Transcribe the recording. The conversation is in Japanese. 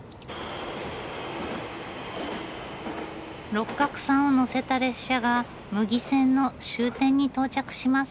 六角さんを乗せた列車が牟岐線の終点に到着します。